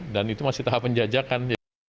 dan itu masih tahap penjajakan